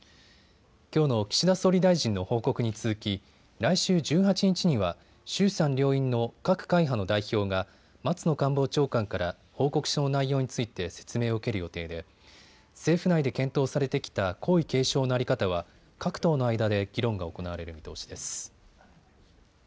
きょうの岸田総理大臣の報告に続き、来週１８日には衆参両院の各会派の代表が松野官房長官から報告書の内容について説明を受ける予定で政府内で検討されてきた皇位継承の在り方は各党の間で激論が行われる見通しです。